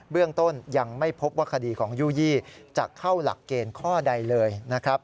เรื่องต้นยังไม่พบว่าคดีของยู่ยี่จะเข้าหลักเกณฑ์ข้อใดเลยนะครับ